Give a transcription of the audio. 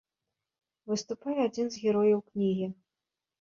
Выступае адзін з герояў кнігі.